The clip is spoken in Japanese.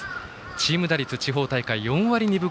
チーム打率地方大会４割５分２厘。